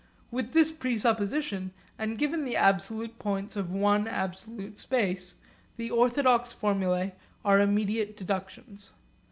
With this presupposition and given the absolute points of one absolute space, the orthodox formulae are immediate deductions.